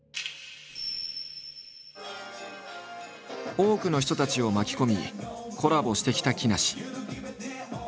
多くの人たちを巻き込みコラボしてきた木梨。